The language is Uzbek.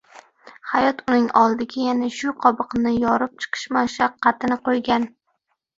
Hayot uning oldiga ana shu qobiqni yorib chiqish mashaqqatini qoʻygan